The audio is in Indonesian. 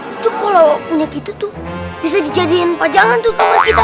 itu kalau punya gitu tuh bisa dijadiin pajangan tuh teman kita